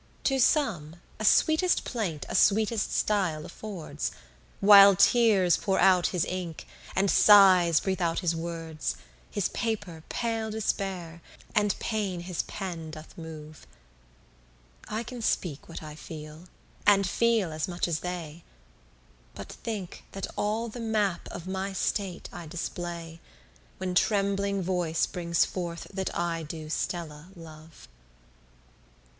To some a sweetest plaint a sweetest style affords, While tears pour out his ink, and sighs breathe out his words: His paper pale despair, and pain his pen doth move. I can speak what I feel, and feel as much as they, But think that all the map of my state I display, When trembling voice brings forth that I do Stella love.